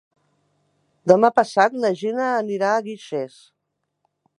Demà passat na Gina anirà a Guixers.